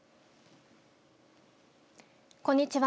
こんにちは。